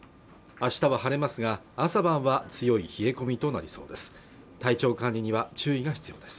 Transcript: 明日は晴れますが朝晩は強い冷え込みとなりそうです